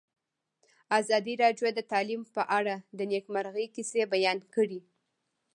ازادي راډیو د تعلیم په اړه د نېکمرغۍ کیسې بیان کړې.